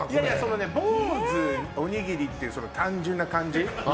坊主、おにぎりっていう単純な感じ。